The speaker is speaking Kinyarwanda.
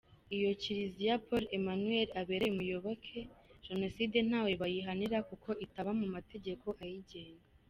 Iyo Kiliziya Paul Emmanuel abereye umuyoboke, jenoside ntawe bayihanira kuko itaba mu mategeko ayigenga.